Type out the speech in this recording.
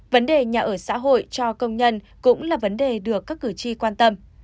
vấn đề nhà ở xã hội cho công nhân cũng là vấn đề được các cử tri quan tâm